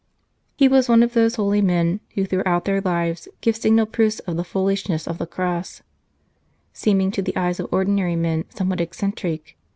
He was one of those holy men who throughout their lives give signal proofs of the " foolishness 172 The Oblates of St. Ambrose of the Cross," seeming to the eyes of ordinary men somewhat eccentric.